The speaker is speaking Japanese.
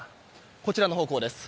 こちらの方向です。